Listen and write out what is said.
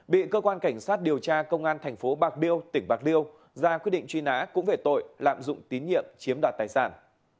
bị cơ quan cảnh sát điều tra công an thành phố bạc liêu tỉnh bạc liêu ra quyết định truy nã cũng về tội lạm dụng tín nhiệm chiếm đoạt tài sản